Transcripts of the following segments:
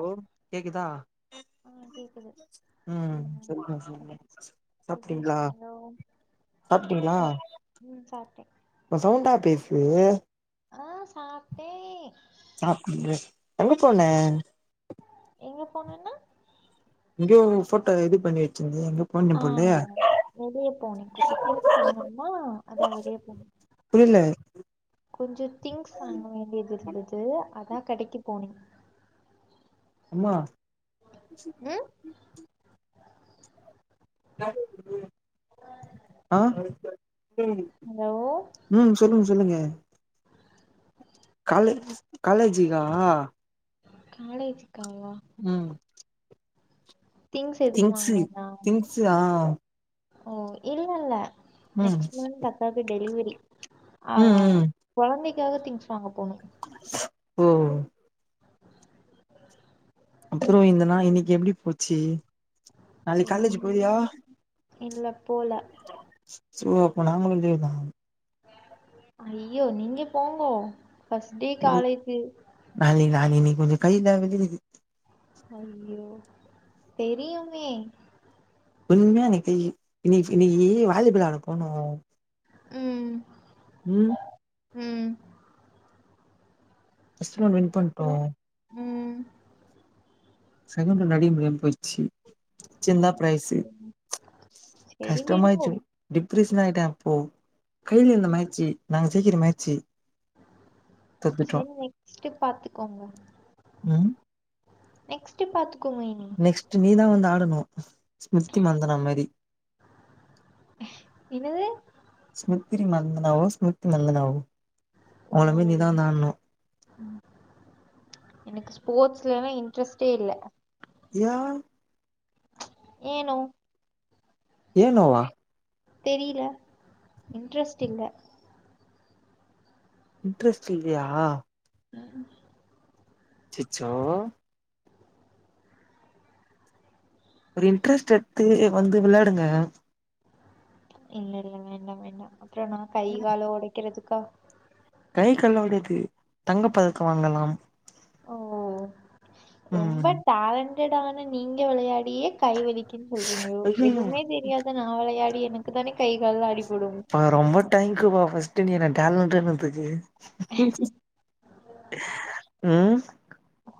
ஓ கேக்குதா ஆ கேக்குது ம் ம் சொல்லுங்க சொல்லுங்க ச எப்டி சாப்டீங்ளா இருக்கீங்கோ ம் சாப் ம் சாப்டே கொஞ்சோ சவுண்டா பேசு ஆஹ் சாப்ட்டே சாப்டு பேசு எங்கே போன எங்க போனேங்க எங்கேயோ போட்டோ இது பண்ணி வச்சிந்தியே எங்கே ஆஹ் ஆமா ஆமா வெளியே போனே கொஞ்சோ திங்ஸ் வாங்குனேன அதா வெளியே போனே புரியல கொஞ்சோ திங்ஸ் வாங்க வேண்டியது இருந்தது அதா கடைக்கு போனே அம்மா ம் ஆ ஹலோ ம் சொல்லுங்க சொல்லுங்க காலே காலேஜிக்கா காலேஜ்க்காவா ம் திங்ஸ் எதுக்கு திங்ஸு வாங்குனீங்க திங்ஸு ஆ ஓ இல்லல்ல ம் நெக்ஸ்ட் மந்த் அக்காக்குடெலிவரி ஆ ம் ஹ ம் கொழந்தைக்காக திங்ஸ்வாங்க போனோ ஓ ஓ அப்புறோ இந்தனா இன்னக்கி எப்டி போச்சி நாளைக் காலேஜ் போறியா ம் இல்ல போல ஸோ அப்ப நாங்களு லீவு தா ஐயோ நீங்க போங்கோ ஃபஸ்ட் டே காலேஜு நாளைகி நாளைகி நீ கொஞ்ச கைலா வெலிக்குது ஐயோ தெரியுமே உண்மயா இன்னகி கையி இன்னகி இன்னகி வாலி பாலாட போணோ ம் ம் ம் ஃபஸ்ட் ரவுண்ட் வின் பண்டோ அப்புறம் ம் சகேன் ரவுண்ட் அடிக்க முடியாம போயிச்சி அட்சிந்தா பிரைசு சரி சரி விடுங்கோ கஷ்டாமய்ச்சு டிப்ரெஷன் ஆயிட்டே அப்போ கையில இந்த மேச்சி நாங்க ஜெய்கிற மேச்சி செரி நெக்ஸ்டு பாத்துக்கோங்க ம் நெக்ஸ்ட்டு பாத்துக்கோங்க இனி நெக்ஸ்ட்டு நீதாவந்து ஆடணு ஸ்மிருத்தி மந்தனா மாரி என்னது ஸ்மித்திரி மந்தனாவோ ஸ்மித்தி மந்தனாவோ ஓ அவங்கள மாரி நீதா வந்து ஆடணு எனக்கு ஸ்போர்ட்ஸல்லா இன்ட்ரெஸ்ட்டே இல்ல யா ஏனோ ஏனோ வா தெரியில இன்ட்ரெஸ்ட் இல்ல இன்ட்ரெஸ்ட் இல்லயா அ ச்சுசோ ஒரு இன்ட்ரெஸ்ட் எத்து வந்து விளாடுங்க இல்ல இல்ல வேண்டா வேண்டா அப்புற நா கை கால ஒடைக்கிறதுக்கா கை கால்லா ஒடையாது தங்கப்பதக்கொ வாங்கலாம் ஓ ரொம்ப ம் டேலண்டடான நீங்க வெளையாடியே கைவலிக் கிதுன் சொல்றீங்க ஐயையோ எதுவுமே தெரியாத நா விளையாடி எனக்கு தானே கை கால்லா அடிபடு பா ரொம்ப டேங்க்யூபா ஃபஸ்ட்டு நீ என டேலண்ட்டன் னதுக்கு ம்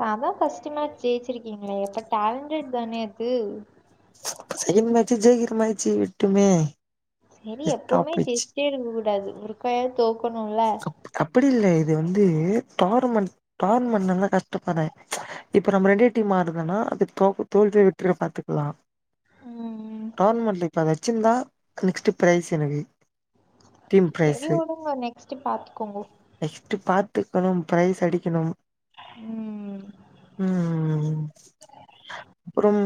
அதா ஃபஸ்ட்டு மேட்சி ஜெய்ச்சிருக்கீங்களே அப்ப டேலண்ட்டடு தானே அது செகண்ட் மேட்சு ஜெய்க்கிற மேட்ச்சு விட்டோமே செரி எப்பவுமே ஜெய்ச்சிட்டே இருக்கக் கூடாது ஒருகாயாது தோக்கணுல்ல அப்டி இல்ல இது வந்து டோரமெண்ட் டோரமெண்ட் நாங்களா கஷ்டபறே இப்ப நம்ம ரெண்டே டீம் ஆட்ரதனா அது தோக் தோல்வியோ வெற்றியோ பாத்துக்கலா ம். டோர்னமெண்ட்ல இப்ப வெச்சிருந்தா நெக்ஸ்ட் பிரைஸ் எனக்கு டீம் செரி வுடுங்கோ நெக்ஸ்ட்டு பாத்துக்கோங்கோ நெக்ஸ்ட்டு பாத்துக்கனு பிரைஸ் அடிக்கணு ம் ம் ம் அப்றோம்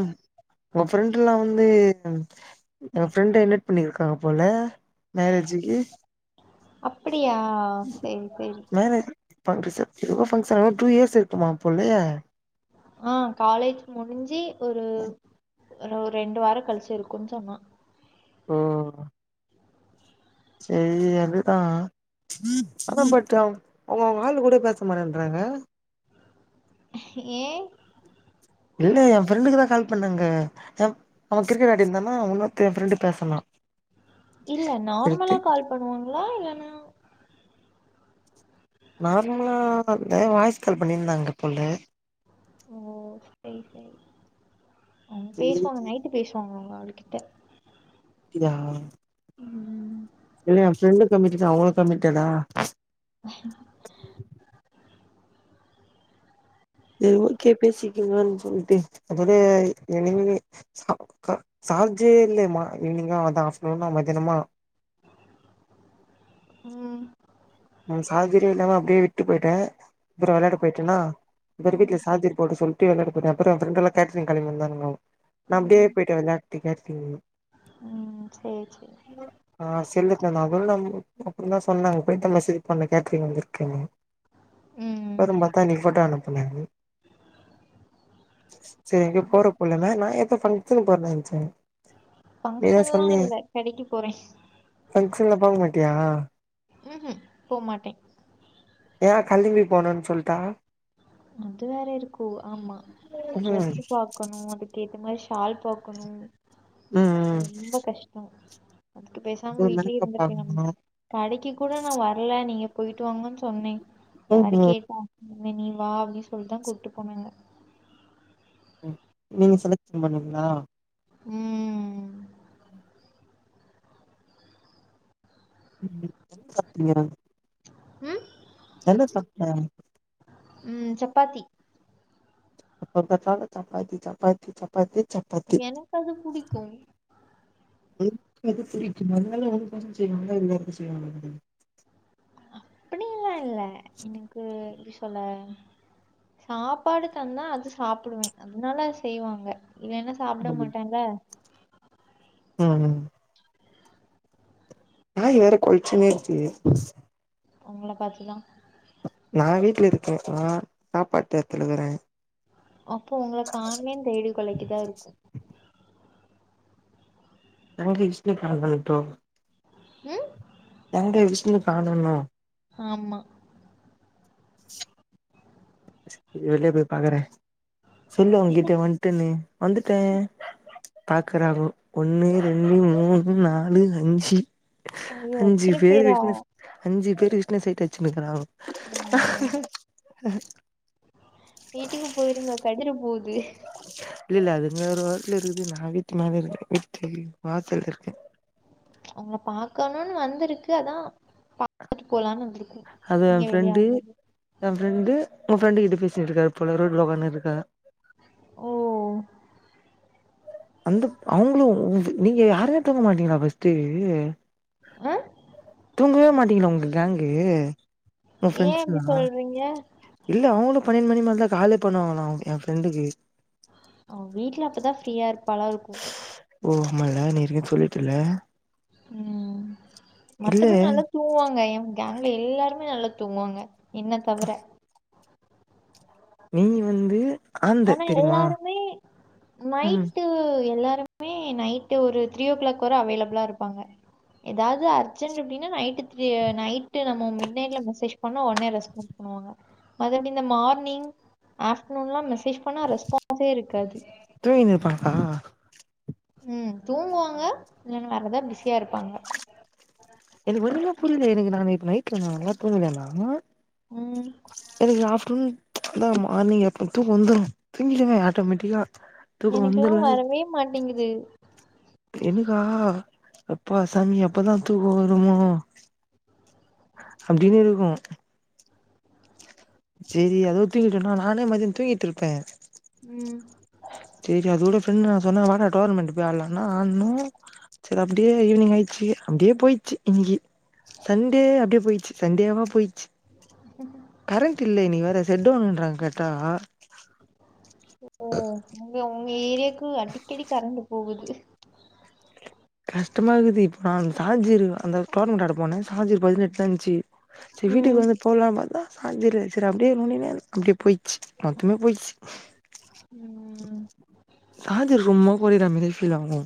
உங்க ஃப்ரெண்டெல்லா வந்து யா ஃப்ரெண்ட் இன்வெட் பண்ணிருக்காக போல மேரேஜிக்கி அப்டியா சேரி சேரி மேரே ஃபங்க்ஷன் சிவோ ஃபங்க்ஷன் லா ட்டூ இயர்ஸ் இருக்குமா போல ஆ காலேஜ் முடிஞ்சி ஒரு ஒரோ ரெண்டு வாரோ கழிச்சி இருக்குனு சொன்னா ம் சேரி அதுதா அதா பட் அவுங்கவுங்க ஆளுங்கூட பேச மாட்டின்றாங்க ஏ இல்ல எ ஃப்ரெண்டுக்கு தா கால் பண்ணாங்க எம் அவ கிரிக்கெட் ஆடிர்ந்தானா உன்னோர்த்தே எ ஃப்ரெண்டு பேசுனா இல்ல எடுத்து நார்மலா கால் பண்ணுவாங்களா இல்லனா நார்மலா இந்த வாய்ஸ் கால் பண்ணியிருந்தாங்க போல ஓ சேரி சேரி ம் சேரி பேசுவாங்க சேரி நைட்டு பேசுவாங்க அவுங்க அவளு கிட்ட இதா ம் இல்ல எ ஃப்ரெண்டு கமிட்டட் அவுங்களு கமிட்டடா செரி ஓக்கே பேசிக்கேங்கனு சொல்ட்டு அப்பதா என்னைக்குமே சா கா சார்ஜே இல்ல மா ஈவினிங்கா அதா ஆஃப்னுன்னா மத்யானமா ம் நம் சார்ஜரே இல்லாம அப்டே விட்டு போய்ட்டே அப்றோ வெளாட போய்ட்டனா இதுமாரி ம் வீட்ல சார்ஜர் போட சொல்ட் டு வெளாடு போய்ட்டே அப்றோ ஃப்ரெண்டெலா கேஹட்சிங் கெளம்பி வந்தானுங்கோ நா அப்டியே ம் போய்ட்டே வெளாட்டிகா சின் ம் சேரி சேரி ஆ செல்லுங்க ந குல்லம் அப்றோ தா சொன்னாங்க போய்ட்டுதா மேசேஜ் பண்ணே கேட்ரிக் வந்திர்க்குன்னு ம் அப்பறோ பாத்தா நீ போட்டா அனுப்புனாரு சேரி எங்கேயோ போறபோலன்ன நா எப்போ ஃபங்க்ஷன் போறதா நென்சே ஃபங்ஷன்லா இல்ல கடைக்கி போறே ஃபங்க்ஷன்லா போகமாட்டியா ம் ஹும் போமாட்டே யா கலம்பி போணுன்னு சொல்ட்டாங்க அது வேற இருக்கோ ஆமா ம் ட்ரெஸ்சு பாக்கணோ அதுக் ஏத்த மாரி ஷால் பாக்கணு ம் ம் ரொம்போ கஷ்டோ அதுக்கு பேசாம அப்றோ வீட்லயே மேக்கப் இர்ந்திருக்கலாமே பாக்கணு கடைக்கு கூட நா வர்ல நீங்க போயிட்டு வாங்கன் சொன்னே ம் யாரு கேட்டா இல்ல நீ வா அப்டின் சொல்தா கூட்டு போனாங்க ம் நீங்க செலக்ஷ்ன் பண்ணீங்ளா ம் ம் என்ன சாப்டிங்க ம் என்ன சாப்ட ம் சப்பாத்தி எப்ப பாத்தாலு சப்பாத்தி சப்பாத்தி சப்பாத்தி சப்பாத்தி எனக்கு அது புடிக்கும் எதுக்கு உனக்கு புடிக்கும் அதனால உனக்கோசோ செய்வாங்களா எல்லார்க்கு செய்வாங்களா அப்டில்லா இல்ல எனக்கு எப்டி சொல்ல சாப்பாடு தந்தா அது சாப்புடுவே அதனால அது செய்வாங்க இல்லனா சாப்டமாட்டல்ல ம் ம் நாய் வேற கொல்ச்சினே இர்க்கு ஒங்கள பாத்துதா நா வீட்ல இருக்கே நா சாப்பாட் தேத்துலகிறே அப்போ உங்கள காண்மேன் தேடி கொலைக்குதாயிர்க்கு எங்க விஷ்ணு காணோன் கொலைக்தோ ம் எங்க விஷ்ணு காணோ இன்னு ஆமா இரு வெளிய போய் பாக்கறே சொல்லு அவுங்கிட்ட வன்டன்னு வந்துட்டே பாக்குறாங்கோ ஒண்ணு ரெண்டு மூணு நாலு அஞ்சி ஐயோ அஞ்சு எத்தன பேரு பேரா விஷ்ண செ அஞ்சு பேரு விஷ்ண சைட் அச்சுனுகிறாங்கோ ஆ வீட்டுக்கு போயிருங்க கச்சிற போது இல்ல இல்ல அதுங்க ஒரு ஒரத்துல இருக்குது நா வீட்டுமேல இர்க்கே வீட்டு வாசல்ல இர்க்கே ஒங்கள பாக்கணுன் வந்திருக்கு அதா பாத்துட்டு போலான்னு வந்துருக்கு அது ஏ ஃப்ரெண்டு ஏ ஃப்ரெண்டு உங்க ஃப்ரெண்டு கிட்ட பேசின்ருக்காரு போல ரோட்ல ஒக்கானுருக்கா ஓ அந்த அவங்களும் உ நீங்க யாருமே தூங்க மாட்டீங்களா பஸ்ட்டு ஆ தூங்கவே மாட்டீங்ளா உங்க கேங்கூ உங்க ஏ ஃப்ரெண்ட்ஸ்லா இப்டி சொல்றீங்க இல்ல அவுங்களு பன்னெண் மணி மேலதா காலே பண்ணுவாங்ளா ஏ ஃப்ரெண்டுக்கு அவ வீட்ல அப்பதா ஃப்ரீயா இருப்பாலாருக்கும் ஓ ஆமால நீ ஏர்க்கனே சொல்லிட்டல ம் மத்தபடி இல்ல நல்லா தூங்குவாங்க ஏ கேங்க்ல எல்லார்மே நல்லா தூங்குவாங்க என்ன தவற நீங்க வந்து ஆந்த ஆனா தெரியுமா எல்லாருமே ம் நைட்டு எல்லாரு ருமே நைட்டு ஒரு த்ரீ ஓ கிளாக் வர அவைலப்ளா இருப்பாங்க ஏதாவ்து அர்ஜெண்ட்டு அப்டினா நைட்டு த்ரி நைட்டு நம்மோ மிட் நைட்ல மெசேஜ் பண்ணா ஒடனே ரெஸ்பான்ஸ் பண்ணுவாங்க மத்தபடி இந்த மார்னிங் ஆஃப்ட்நூன்லா மெஸ் பண்ணா ரெஸ்பான்ஸே இருக்காது தூங்கினு இருப்பாங்களா ம் தூங்குவாங்க இல்லனா வேற எதா பிஸியா இருப்பாங்க எனக்கு ஒன்னிமே புரில எனக்கு நானு இப்ப நைட்ல நல்லா தூங்கலனா ம் எனக்கு ஆஃப்டர்நூன் இல்ல மார்னிங் எப்ப தூக்க வந்துரு தூங்கிடுவே ஆட்டோமேட்டிக்கா தூக்கம் எனக்கெல்லா வந்துல வரவே மாட்டேங்குது எனக்கா அப்பா சாமி எப்பதா தூக்கோ வருமோ அப்டின்னு இருக்கு சேரி எதோ தூங்கிட்டேனா நானே மதிய தூங்கிட்டு ருப்பே ம் சேரி அதோட ஃப்ரெண்ட் நா சொன்னே வாடா டோர்னமெண்ட்டு போய் ஆடலானா ஆ நோ செரி அப்டியே ஈவினிங் ஆயிருச்சு அப்டியே போயிச்சு இன்னைக்கி சன்டே அப்டியே போயிச்சு சன்டேவா போயி கரண்ட்டு இல்ல இன்னைக்கி வேற செட்டவுன்றாங்க கேட்டா ஓ உங்க உங்க ஏரியாக்கு அடிக்கடி கரண்டு போகுது கஷ்டமாககுது இப்போ நா அந்த சார்ஜ்ர் இருக்கனு அந்த டோர்னமெண்ட்டு ஆட போனே சார்ஜர் பதினெட்டு தா இருந்துச்சு செரி ம் வீட்டுக்கு வந்து போட்லானு பாத்தா சார்ஜிரு செரி அப்டியே முடியவே இல்ல அப்டியே போயி மொத்தமே போய்ச்சு ம் காது ரூம்மோ மூக்கு உரிர மாரியே ஃபீல் ஆகுமோ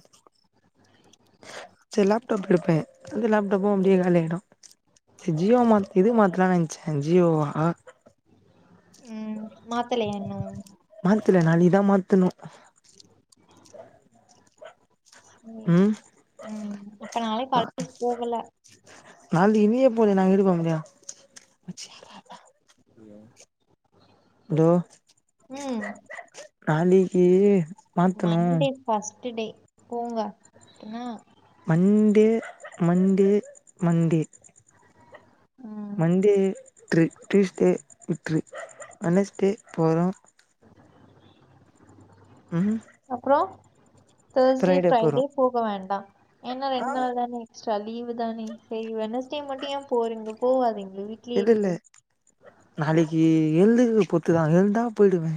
செரி லேப்டாப் எடுப்பே அந்த லேப்டாப்பு அப்டியேகாலியாயிடு ஜி ஜியோ மாத் இது மாத்தலானு நெனச்சே ஜியோவா ம் மாத்தலயா இன்னு மாத்தல நாளைக்கிதா மாத்தணு சேரி சே ம் ம் அப்ப நாளை படத்துக்கு போகல நாளைக்கு நீயே போல நாங்க எப்டிபோக முடியு அலோ ம் நாளிக்கு மண்டே ஃபஸ்ட்டு டே போங்க எனா மண்டே மண்டே மண்டே அ மண்டே விட்று டுயூஸ்டே விட்று வெனஸ்டே போறோ ம் அப்பறோ தேர்ஸ்டே ஃப்ரைடே போக வேண்டா ஏனா ஆ ரெண்டு நாள் தானே எக்ஸ்ட்டா லீவ் தானே செரி வெனஸ்டே மட்டு ஏ போறீங்க போவாதிங்க வீ இல்ல இல்ல நாளைக்கி எழுந்திருக்கறது பொறுத்துதா எழுந்தா போயிடுவே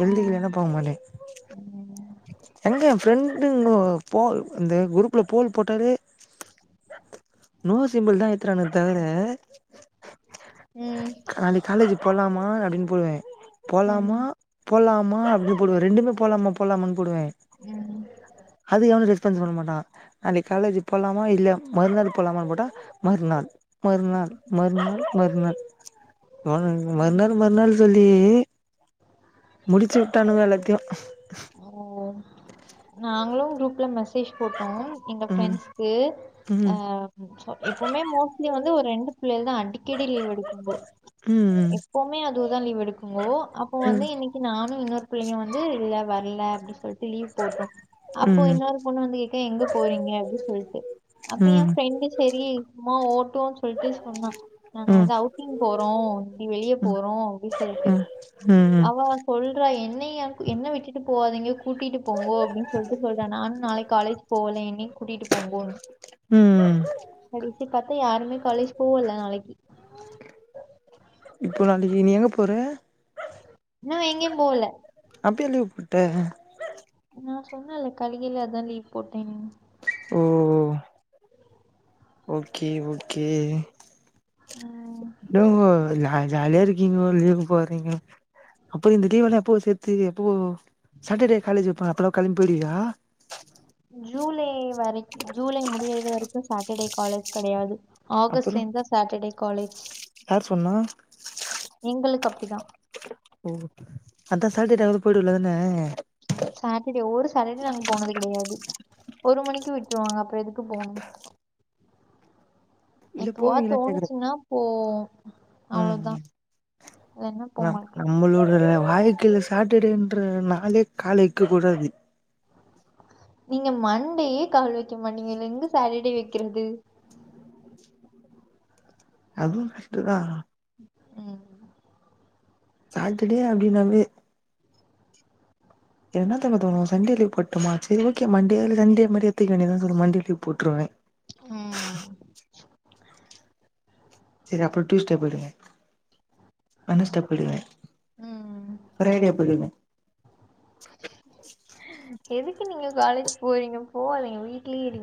எழுந்திகிலனா போமாட்டே ஆமாமா ஏங்க எங்க ஃப்ரெண்டுங்கோ போல் இந்த குரூப்ல போல் போட்டாலே நோ சிம்பிள் தா ஏத்துறானு தவர ம் நாளைக்கு காலேஜுக்கு போலாமா அப்டின்னு போடுவே போலாமா ம் போலாம அப்டின்னு போடுவே ரெண்டுமே போலாமா போலாமான்னு போடுவே ஏ அது எவனு ரெஸ்பான்ஸ் பண்ண மாட்டா நாளைக்கு காலேஜி போகலாமா இல்லியா மறுநாள் போலாமானு போட்டா மறுநாள் மறுநாள் மறுநாள் மறுநாள் உனக்கு மறுநாள் ம் மறுநாள் சொல்லியே முடிச்சுவுட்டானுவோ எல்லாத்தையு ஓ நாங்களு குரூப்ல மேசேஜ் மேசேஜ் போட்டோ எங்க ம் ஃப்ரெண்ட்ஸ்கு ம் எப்வுமே மோஸ்ட்லி வந்து ஒரு ரெண்டு பிள்ளக தா அடிக்கடி லீவ் எடுக்குங்கோ ம் எப்வுமே அதுவுதோ லீவ் எடுக்குங்கோ அப்ப வந்து ம் இன்னக்கி நானு இன்னொரு பிள்ளயு வந்து இல்ல அப்டின்னு சொல்ட்டு லீவ் போட்டோ அப்போ ம் இன்னொரு பொண்ணு வந்து கேக்குது எங்க போறீங்க அப்டின்னு சொல்ட்டு அப்ப எ ம் ஃப்ரெண்டு சரி சும்மா ஓட்டோன்னு சொல்ட்டு சொன்னா நாங்க ம் வந்து அவுட் அவுடிங் போறோ நீ வெளிய போறோ அப்டி சொல்ட்டு ம் ம் அவா சொல்றா என்னயா என்னவிட்டு ட்டு போவாதிங்க கூட்டிட்டு போங்கோ அப்டின்னு சொல்ட்டு சொல்றா நானு நாளைக் காலேஜ் போலேன் என்னிய்கூட்டிட் போங்கோ ம் கடைசியா பாத்தா யாருமே காலேஜ் போவோல்ல நாளக்கி இப்போ நாளக்கி நீ எங்க போற நா எங்கியு போல அப்பயா லீவ் போட்ட நா சொன்னேல்ல கல்கிலாதா லீவ் போட்டேனு ஓ ஓக்கே ஓக்கே தோ ஜால் ஜாலிய இருக் ருங்கிங்கோ லீவ் போர்ரீங்கோ அப்போ இந்தலீவ்லா எப்போ சேத்து எப்போ சாட்டடே காலேஜ் வெப்பாங் அப்பெல்லா கெலமிபோய்டுவியா ஜூலை வரைக்கு ஜூலை முடியறது வரைக்கு சாட்டடே காலேஜ் கெடையாது அப்புறோ ஆகஸ்ட்ல இந்துதா சாட்டடே காலேஜ் யார் சொன்னா எங்களுக்கப்பிடிதா ஓ அந்தா சாட்டடேயாவுது போய்டுவல்லதான சாட்டடே ஒரு சாட்டடே நாங்க போனது கெடையாது ஒரு மணிக்கு விட்ருவாங்க அப்ப எதுக்கு போனு இல்ல எப்போவா போவீங்களான்னு கேக்குறே தோனுச்சுன்னா போவோ அவ்ளோதா ந நம்மளோடு வாய் கீழ சாட்டடே என்ற நாளே கால்வெக்க கூடாது நீங்க மண்டே கால் வெக்க மாட்டீங்க இதுல எங்க சாட்டடே வெக்றது அதுவு கர்ட்டுதா ம் சாட்டடே அப்டின்னாவே என்னா தெரிமா தோனோ சண்டே லீவ் போட்டுமா சரி ஓக்கே மண்டேல்ல சண்டே மரிஎத்துக்க வேண்டிதா சொல்ட்டு மண்டே லீவ் போட்ருவ ம் சேரி அப்றோ டூஸ்டெ போய்டுவே வென்ஸ்ட்டே போய்டுவே ம் ப்ரேடே போய்டுவே எதுக்கு நீங்க காலேஜ் போறீங்க போவாதிங்க வீட்லே இருங்க